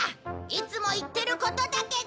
いつも言ってることだけど。